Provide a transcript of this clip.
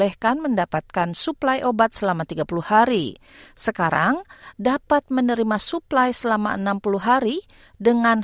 enam puluh hari bagi pemberian perubahan